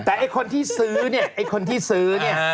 แต่ไอ้คนที่ซื้อเนี่ยไอ้คนที่ซื้อเนี่ย